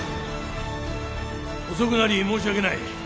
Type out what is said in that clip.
遅くなり申し訳ない。